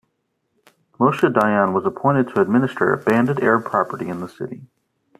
Moshe Dayan was appointed to administer abandoned Arab property in the city.